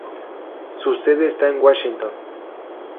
Su sede está en Washington.